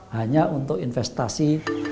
hanya untuk investasi